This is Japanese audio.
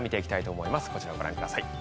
こちらをご覧ください。